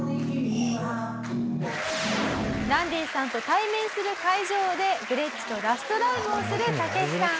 「ランディさんと対面する会場でグレッチとラストライブをするタケシさん」